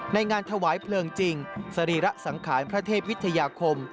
งานถวายเพลิงจริงสรีระสังขารพระเทพวิทยาคม